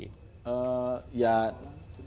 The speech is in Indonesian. ya politik memang selalu berpikir